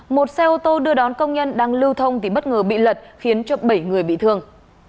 một xe ô tô đưa đón công nhân đang lưu thông thì bất ngờ bị lật khiến cho bảy người bị thương